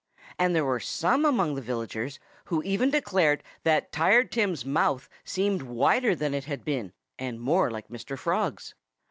And there were some among the villagers who even declared that Tired Tim's mouth seemed wider than it had been, and more like Mr. Frog's.